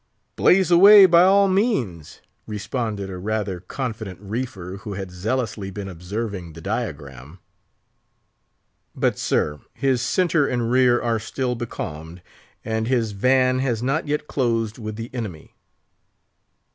"Blaze away, by all means!" responded a rather confident reefer, who had zealously been observing the diagram. "But, sir, his centre and rear are still becalmed, and his van has not yet closed with the enemy."